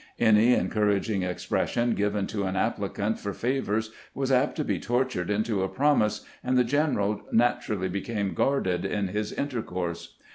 Any encouraging expression given to an applicant for favors was apt to be tortured into a promise, and the general naturally became guarded in his intercourse.